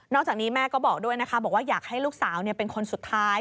จากนี้แม่ก็บอกด้วยนะคะบอกว่าอยากให้ลูกสาวเป็นคนสุดท้าย